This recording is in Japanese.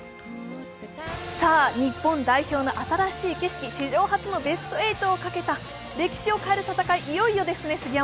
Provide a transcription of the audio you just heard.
日本代表の新しい景色、史上初のベスト８をかけた歴史を変える戦い、いよいよですね